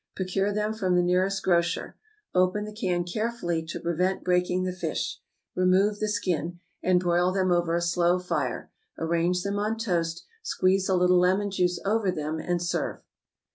Procure them from the nearest grocer, open the can carefully to prevent breaking the fish, remove the skin, and broil them over a slow fire; arrange them on toast, squeeze a little lemon juice over them, and serve.